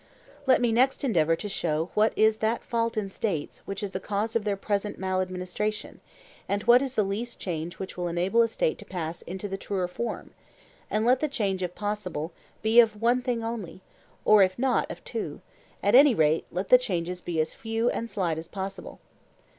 Let me next endeavour to show what is that fault in States which is the cause of their present maladministration, and what is the least change which will enable a State to pass into the truer form; and let the change, if possible, be of one thing only, or, if not, of two; at any rate, let the changes be as few and slight as possible.